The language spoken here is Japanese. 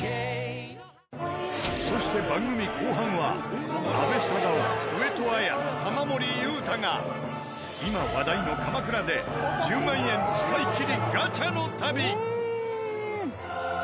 そして番組後半は阿部サダヲ上戸彩玉森裕太が今話題の鎌倉で１０万円使い切りガチャの旅